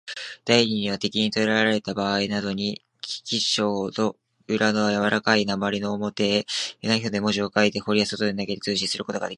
第二には、敵にとらえられたばあいなどに、記章の裏のやわらかい鉛の面へ、ナイフで文字を書いて、窓や塀の外へ投げて、通信することができる。